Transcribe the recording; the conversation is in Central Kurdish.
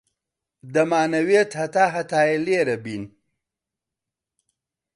دەمانەوێت هەتا هەتایە لێرە بین.